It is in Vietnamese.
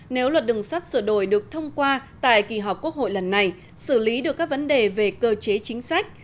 nếu luật đường sắt sửa đổi được thông qua tại kỳ họp quốc hội lần này xử lý được các vấn đề về cơ chế chính sách